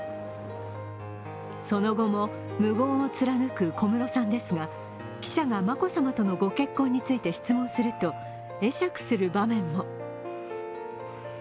その後も無言を貫く小室さんですが記者が眞子さまとの御結婚について質問すると、会釈する場面も。